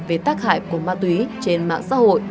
về tác hại của ma túy trên mạng xã hội